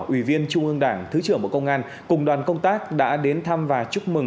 ủy viên trung ương đảng thứ trưởng bộ công an cùng đoàn công tác đã đến thăm và chúc mừng